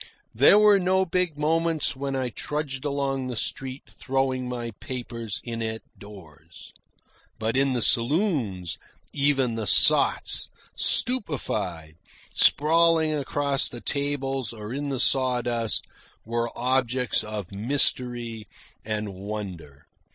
There were no big moments when I trudged along the street throwing my papers in at doors. But in the saloons, even the sots, stupefied, sprawling across the tables or in the sawdust, were objects of mystery and wonder.